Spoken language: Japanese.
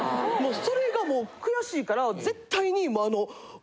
それがもう悔しいから絶対に。